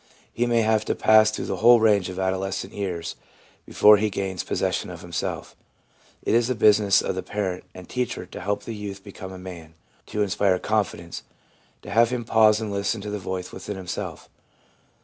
He may have to pass through the whole range of adolescent years before he gains pos session of himself. It is the business of the parent and teacher to help the youth become a man, to inspire con fidence, to have him pause and listen to the voice within himself.